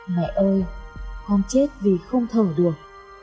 mẹ ơi con chết vì không thở được